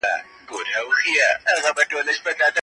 ايا ستاسې فاميل د واده وس لري؟